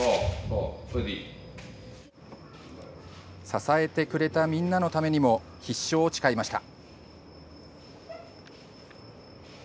支えてくれたみんなのためにも必勝を誓いました。